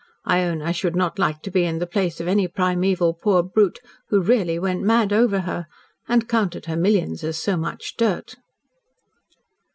I own I should not like to be in the place of any primeval poor brute who really went mad over her and counted her millions as so much dirt."